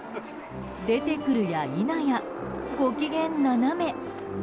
出て来るやいなや、ご機嫌斜め。